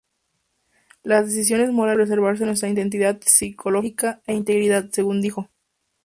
Las decisiones morales deben preservar nuestra identidad psicológica e integridad, según dijo.